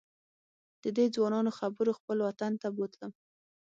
ددې ځوانانو خبرو خپل وطن ته بوتلم.